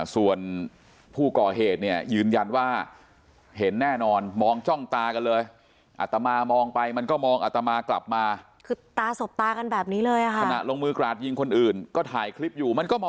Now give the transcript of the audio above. ส่วนผู้ก่อเหตุเนี่ยยืนยันว่าเห็นแน่นอนมองจ้องตากันเลย